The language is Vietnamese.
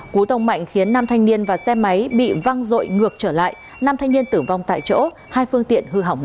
cú tông mạnh khiến năm thanh niên và xe máy bị văng rội ngược trở lại nam thanh niên tử vong tại chỗ hai phương tiện hư hỏng nặng